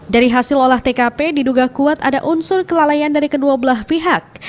dari hasil olah tkp diduga kuat ada unsur kelalaian dari kedua belah pihak